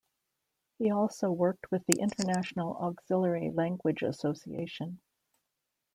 He also worked with the International Auxiliary Language Association.